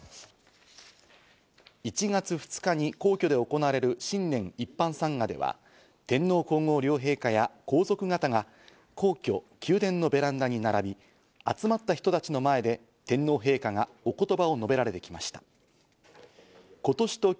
１月２日に皇居で行われる新年一般参賀では、天皇皇后両陛下や皇族方が皇居・宮殿のベランダに並び、集まった人たちの前で天皇陛下がおことばを述べられてきました。